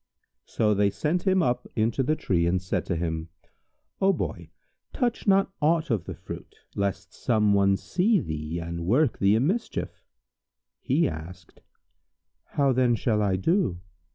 So they sent him up into the tree and said to him, "O Boy, touch not aught of the fruit, lest some one see thee and work thee a mischief." He asked, "How then shall I do?"